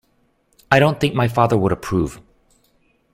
I don’t think my father would approve